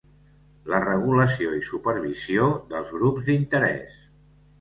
La regulació i supervisió dels grups d'interès.